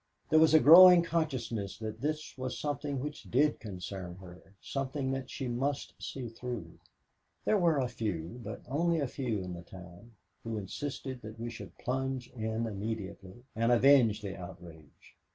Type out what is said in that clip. There was a growing consciousness that this was something which did concern her, something that she must see through. There were a few, but only a few in the town, who insisted that we should plunge in immediately and avenge the outrage.